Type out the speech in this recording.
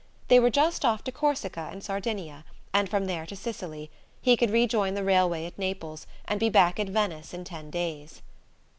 They were just off to Corsica and Sardinia, and from there to Sicily: he could rejoin the railway at Naples, and be back at Venice in ten days.